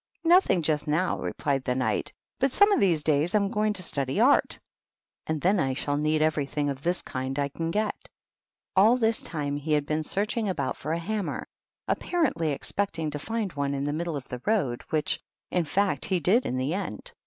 "Nothing just now," replied the Knight; "but some of these days I am going to study Art, and then I shall need everything of this kind I can get." All this time he had been searching about for a hammer, apparently expecting to find one in the middle of the road, which, in fact, he did in the end.